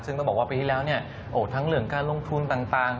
ซึ่งต้องบอกว่าปีที่แล้วทั้งเรื่องการลงทุนต่าง